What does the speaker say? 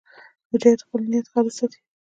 مجاهد خپل نیت خالص ساتي.